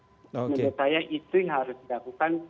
menurut saya itu yang harus dilakukan